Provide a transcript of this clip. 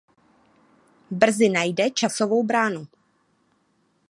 Brzy najde časovou bránu.